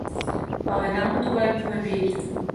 Паледа, мо тугай плебей?